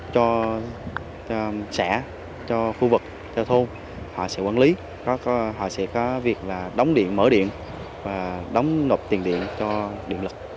cho xã cho khu vực cho thôn họ sẽ quản lý họ sẽ có việc là đóng điện mở điện và đóng nộp tiền điện cho điện lực